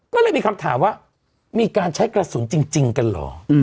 ก็เลยมีคำถามว่ามีการใช้กระสุนจริงกันเหรอ